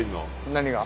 何が？